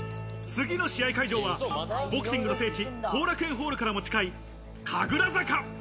次の試合会場はボクシングの聖地、後楽園ホールからも近い神楽坂。